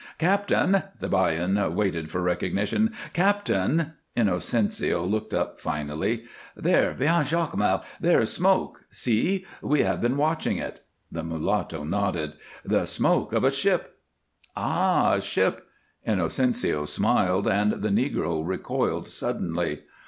"Captain!" The 'Bajan waited for recognition. "Captain!" Inocencio looked up finally. "There toward Jacmel there is smoke. See! We have been watching it." The mulatto nodded. "The smoke of a ship." "Ah! A ship!" Inocencio smiled and the negro recoiled suddenly.